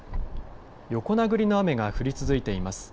横殴りの雨が降り続いています。